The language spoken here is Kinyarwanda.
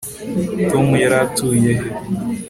tom yari atuye he